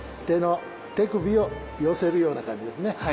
手首を寄せるような感じですね。